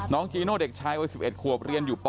น้องจีโน่เด็กชาย๑๑ขวบเรียนอยู่ป๕